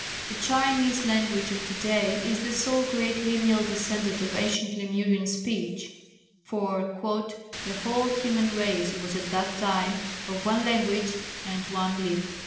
The Chinese language of to day is the sole great lineal descendant of ancient Lemurian speech for "the whole human race was at that time of one language and of one lip."